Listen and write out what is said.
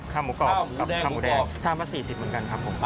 ข้าวหมูกรอบข้าวหมูแดงข้าวหมูแดงข้าวมา๔๐บาทเหมือนกันครับผม